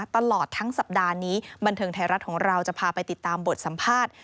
ตลอดทั้งสัปดาห์นี้บันเทิงไทยรัฐของเราจะพาไปติดตามบทสัมภาษณ์